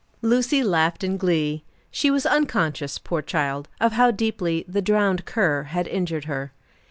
Lucy laughed in glee; she was unconscious, poor child, how deeply the "drowned cur" had injured her.